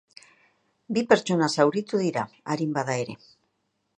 Bi pertsona zauritu dira, arin bada ere.